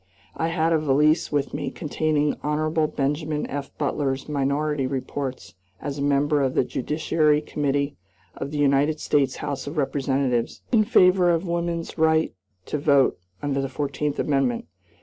I had a valise with me containing Hon. Benjamin F. Butler's minority reports as a member of the Judiciary Committee of the United States House of Representatives, in favor of woman's right to vote under the Fourteenth Amendment.